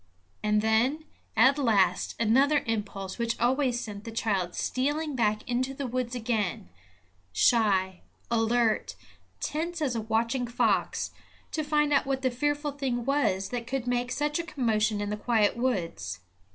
And then, at last, another impulse which always sent the child stealing back into the woods again, shy, alert, tense as a watching fox, to find out what the fearful thing was that could make such a commotion in the quiet woods.